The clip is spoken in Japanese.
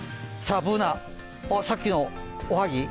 Ｂｏｏｎａ、あっ、さっきのおはぎ？